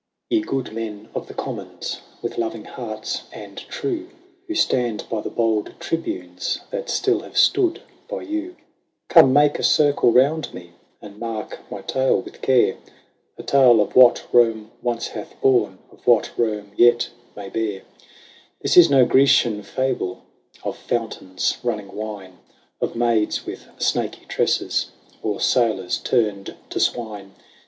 Ye good men of the Commons, with loving hearts and true. Who stand by the bold Tribunes that still have stood by you. Come, make a circle round me, and mark my tale with care, A tale of what Rome once hath borne, of what Rome yet may bear. 158 LAYS OF ANCIENT ROME. This is no Grecian fable, of fountains running wine. Of maids with snaky tresses, or sailors turned to swine.